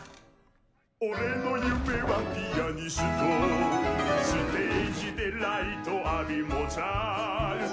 「俺の夢はピアニスト」「ステージでライト浴びモーツァルト」